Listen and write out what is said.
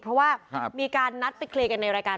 เพราะว่ามีการนัดไปเคลียร์กันในรายการ